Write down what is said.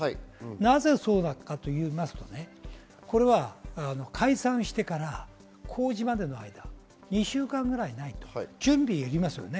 なぜかというと解散してから公示までの間、２週間ぐらいないと準備がいりますよね。